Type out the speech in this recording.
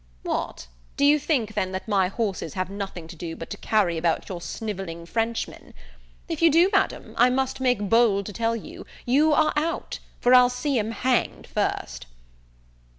"What, do you think, then, that my horses have nothing to do but to carry about your snivelling Frenchmen? If you do, Madam, I must make bold to tell you, you are out, for I'll see 'em hang'd first."